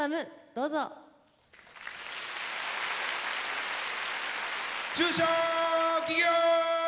どうぞ。中小企業！